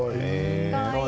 かわいい。